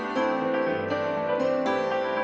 kan menurut saya